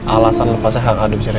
alasan lepasnya hak adopsi rena